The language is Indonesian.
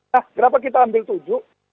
nah kenapa kita ambil tujuh